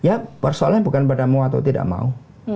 ya persoalannya bukan pada mau atau tidak mau